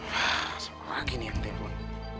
wah semua lagi nih yang telepon